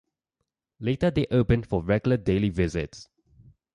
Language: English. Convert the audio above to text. Later they opened for regular daily visits.